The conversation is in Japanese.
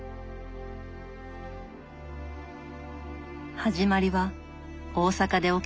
始まりは大阪で起きた殺人事件。